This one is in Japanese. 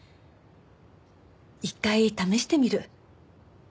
一回試してみる。